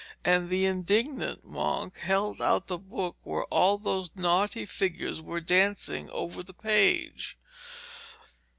And the indignant monk held out the book where all those naughty figures were dancing over the page.